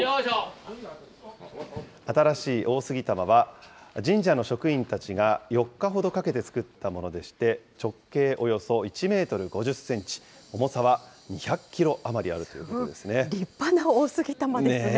新しい大杉玉は、神社の職員たちが４日ほどかけて作ったものでして、直径およそ１メートル５０センチ、重さは２００キロ余りあるということですね。